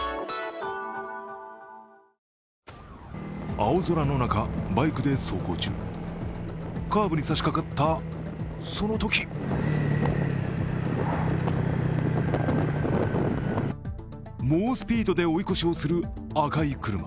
青空の中、バイクで走行中カーブにさしかかったそのとき猛スピードで追い越しをする赤い車。